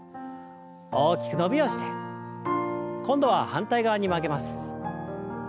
大きく伸びをして今度は反対側に曲げます。